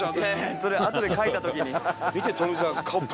それあとでかいた時に。